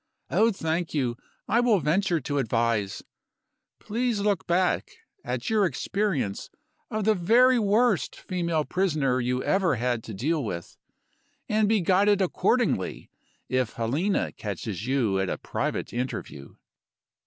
Oh, thank you; I will venture to advise. Please look back at your experience of the very worst female prisoner you ever had to deal with and be guided accordingly if Helena catches you at a private interview."